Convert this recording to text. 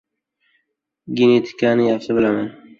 — Genetikani yaxshi bilaman.